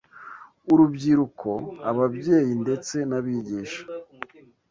urubyiruko, ababyeyi ndetse n’abigisha